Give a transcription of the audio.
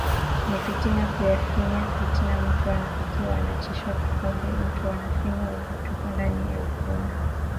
ni fitina Kufanyiwa fitna Mtu unafikia unaachishwa ukumbi mtu unafanyiwa vituko ndani ya ukumbi